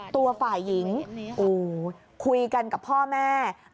ตัวฝ่ายหญิงคุยกันกับพ่อแม่